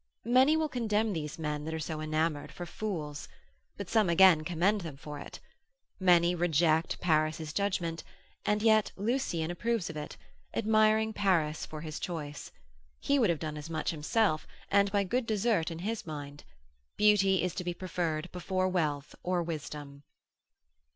Many will condemn these men that are so enamoured, for fools; but some again commend them for it; many reject Paris's judgment, and yet Lucian approves of it, admiring Paris for his choice; he would have done as much himself, and by good desert in his mind: beauty is to be preferred before wealth or wisdom.